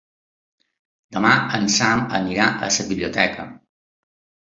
Demà en Sam irà a la biblioteca.